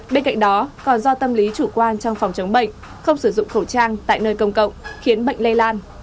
bên cạnh đó còn do tâm lý chủ quan trong phòng chống bệnh không sử dụng khẩu trang tại nơi công cộng khiến bệnh lây lan